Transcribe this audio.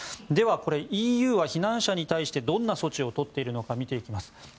では、ＥＵは避難者に対してどんな措置をとっているのか見ていきます。